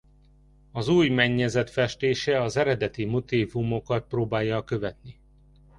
Az új mennyezet festése az eredeti motívumokat próbálja követni.